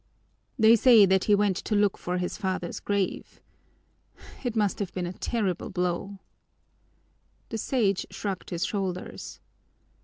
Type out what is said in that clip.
"They say that he went to look for his father's grave. It must have been a terrible blow." The Sage shrugged his shoulders.